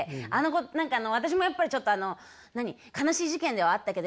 何か私もやっぱりちょっとあの悲しい事件ではあったけど